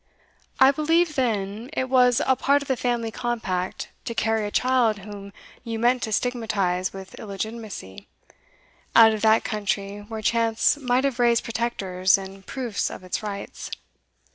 I believed then it was a part of the family compact to carry a child whom you meant to stigmatize with illegitimacy, out of that country where chance might have raised protectors and proofs of its rights.